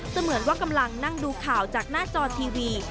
เหมือนว่ากำลังนั่งดูข่าวจากหน้าจอทีวี